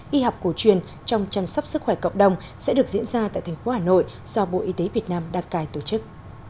y học cổ truyền trong chăm sóc sức khỏe cộng đồng sẽ được diễn ra tại thành phố hà nội do bộ y tế việt nam đặt cài tổ chức